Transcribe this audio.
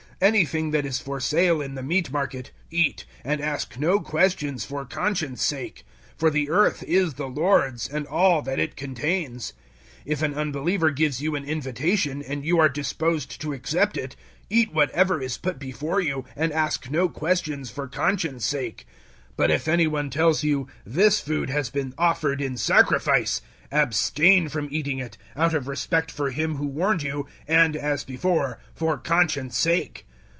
010:025 Anything that is for sale in the meat market, eat, and ask no questions for conscience' sake; 010:026 for the earth is the Lord's, and all that it contains. 010:027 If an unbeliever gives you an invitation and you are disposed to accept it, eat whatever is put before you, and ask no questions for conscience' sake. 010:028 But if any one tells you, "This food has been offered in sacrifice;" abstain from eating it out of respect for him who warned you, and, as before, for conscience' sake.